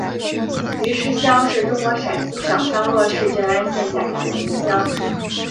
余师乡是中国陕西省商洛市镇安县下辖的一个乡。